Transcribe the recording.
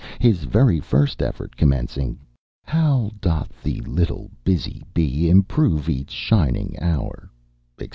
His very first effort, commencing: "How doth the little busy bee Improve each shining hour," etc.